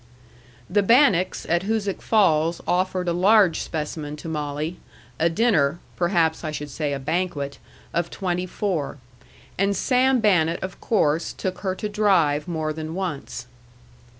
The Bannetts at Hoosic Falls offered a large specimen to Molly a dinner (perhaps I should say a banquet) of twenty four. And Sam Bannett of course took her to drive more than once.